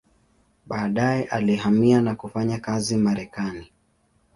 Baadaye alihamia na kufanya kazi Marekani.